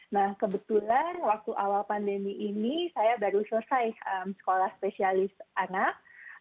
nah kebetulan waktu awal pandemi ini saya baru selesai sekolah spesialis anak